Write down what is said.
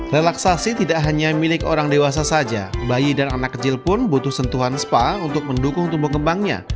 relaksasi tidak hanya milik orang dewasa saja bayi dan anak kecil pun butuh sentuhan spa untuk mendukung tumbuh kembangnya